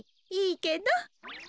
いいけど。